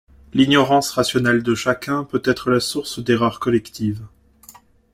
L'ignorance rationnelle de chacun peut être la source d'erreurs collectives.